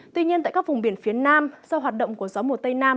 tuy nhiên tại các vùng biển phía nam do hoạt động của gió mùa tây nam